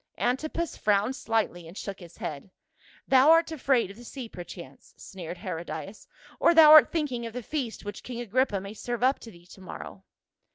Antipas frowned slightly and shook his head. "Thou art afraid of the sea perchance," sneered Herodias, " or thou art thinking of the feast which king Agrippa may serve up to thee to morrow."